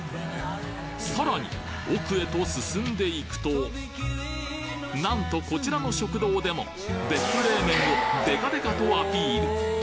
さらに奥へと進んで行くとなんとこちらの食堂でも別府冷麺をデカデカとアピール